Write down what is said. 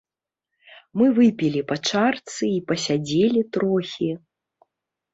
Мы выпілі па чарцы і пасядзелі трохі.